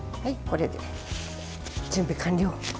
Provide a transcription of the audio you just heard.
これで準備完了。